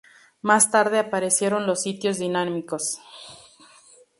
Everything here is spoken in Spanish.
Más tarde aparecieron los sitios dinámicos.